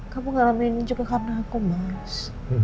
kamu ngalamin ini juga karena aku mas